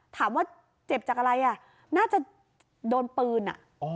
ถามว่าเจ็บจากอะไรอ่ะน่าจะโดนปืนอ่ะ